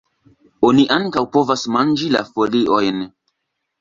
Oni ankaŭ povas manĝi la foliojn.